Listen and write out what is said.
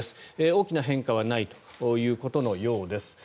大きな変化はないということのようです。